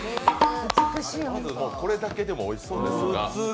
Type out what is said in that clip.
これだけでもおいしそうですが。